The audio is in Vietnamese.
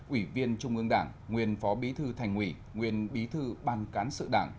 ủy viên trung ương đảng nguyên phó bí thư thành ủy nguyên bí thư ban cán sự đảng